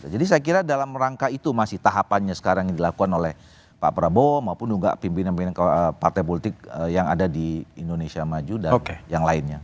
jadi saya kira dalam rangka itu masih tahapannya sekarang yang dilakukan oleh pak prabowo maupun juga pimpinan pimpinan partai politik yang ada di indonesia maju dan yang lainnya